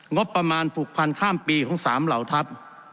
งบประมาณผูกพันข้ามปีของ๓เหล่าทัพ